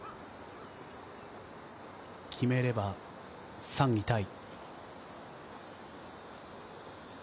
決めれば３位タイ。